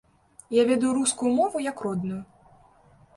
Я ведаю рускую мову як родную.